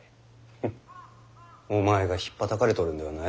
フッお前がひっぱたかれとるんではないのか？